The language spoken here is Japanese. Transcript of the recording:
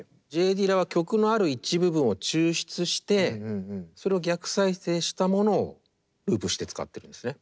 Ｊ・ディラは曲のある一部分を抽出してそれを逆再生したものをループして使ってるんですね。